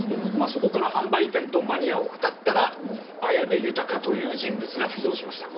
そこから販売店とマニアを当たったら綾部豊という人物が浮上しました。